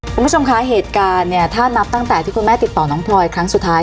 คุณผู้ชมคะเหตุการณ์เนี่ยถ้านับตั้งแต่ที่คุณแม่ติดต่อน้องพลอยครั้งสุดท้าย